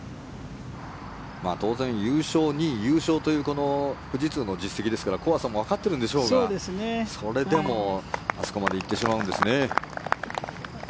当然、優勝、２位、優勝という富士通の実績ですから怖さもわかっているんでしょうがそれでもあそこまで行ってしまうんですね。